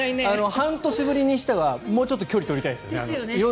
半年ぶりにしてはもうちょっと距離取りたいですよね。